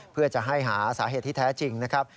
เพื่อจะให้หาสาเหตุที่แท้จริงนะครับ